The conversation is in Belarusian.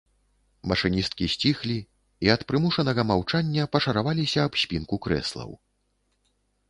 Машыністкі сціхлі і ад прымушанага маўчання пашараваліся аб спінку крэслаў.